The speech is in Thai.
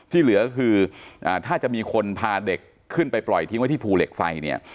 ที่เหลือคือถ้าจะมีคนพาเด็กขึ้นไปปล่อยทิ้งไว้ที่ภูเหล็กไฟเนี่ย